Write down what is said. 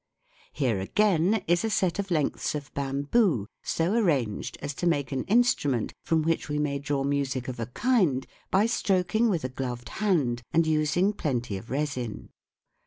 Here, again, is a set of lengths of bamboo so arranged as to make an instrument from which we may draw music of a kind by stroking with a gloved hand and using plenty of resin.